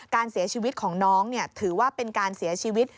การเสียชีวิตของน้องถือว่าเป็นการเสียชีวิต